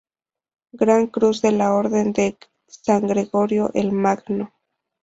Gran Cruz de la Orden de San Gregorio el Magno.